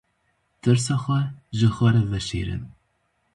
Tirsa xwe ji xwe re veşêrin.